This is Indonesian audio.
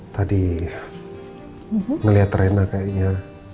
tadi ngelihat rena kayaknya